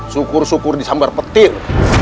syukur syukur disambar petir